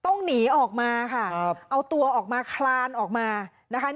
ต้องหนีออกมาค่ะเอาตัวออกมาคลานออกมานะคะ